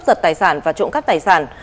giật tài sản và trộm cắp tài sản